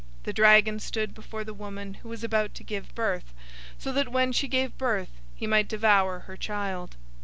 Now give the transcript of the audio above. The dragon stood before the woman who was about to give birth, so that when she gave birth he might devour her child.